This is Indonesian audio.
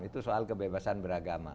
itu soal kebebasan beragama